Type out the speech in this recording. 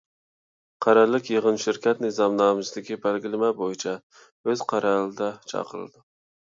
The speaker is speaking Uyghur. قەرەللىك يىغىن شىركەت نىزامنامىسىدىكى بەلگىلىمە بويىچە ئۆز قەرەلىدە چاقىرىلىدۇ.